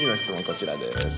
こちらです。